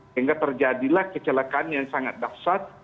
sehingga terjadilah kecelakaan yang sangat dahsat